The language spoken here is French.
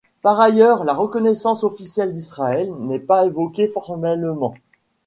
Par ailleurs, la reconnaissance officielle d'Israël n'est pas évoquée formellement.